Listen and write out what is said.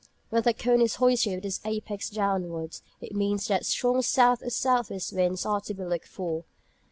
When the cone is hoisted with its apex downwards, it means that strong south or south west winds are to be looked for.